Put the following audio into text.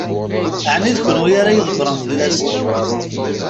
Ɛni d kenwi ara ydebbṛen fell-asen?